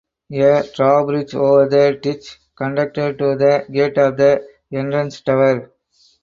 A drawbridge over the ditch conducted to the gate of the entrance tower.